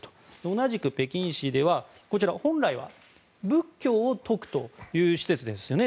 同じく北京市では、本来は仏教を説くという施設ですよね